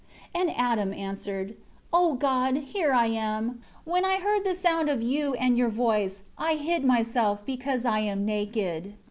3 And Adam answered, "O God, here I am. When I heard the sound of You and Your voice, I hid myself, because I am naked."